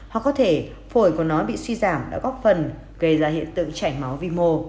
hoặc có thể phổi của nó bị suy giảm đã góp phần gây ra hiện tượng chảy máu vi mô